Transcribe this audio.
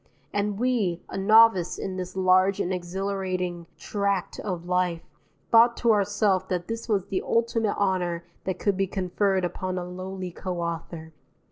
And we, a novice in this large and exhilarating tract of life, thought to ourself that this was the ultimate honour that could be conferred upon a lowly co author.